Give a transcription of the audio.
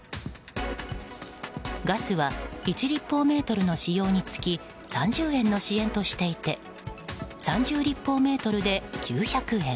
ガスは１立方メートルの使用につき３０円の支援としていて３０立方メートルで９００円。